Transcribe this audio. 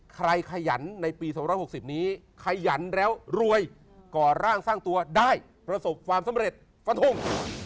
ขยันในปี๒๖๐นี้ขยันแล้วรวยก่อร่างสร้างตัวได้ประสบความสำเร็จฟันทง